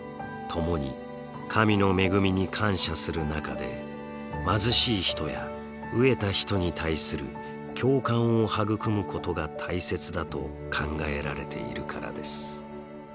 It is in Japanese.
共に神の恵みに感謝する中で貧しい人や飢えた人に対する共感を育むことが大切だと考えられているからです。